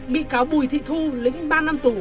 bị cáo bùi thị thu lĩnh ba năm tù